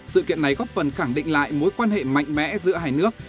sự kiện này góp phần khẳng định lại mối quan hệ mạnh mẽ giữa hai nước